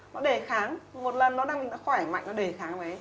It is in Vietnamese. nó đề kháng một lần nó đang khỏe mạnh nó đề kháng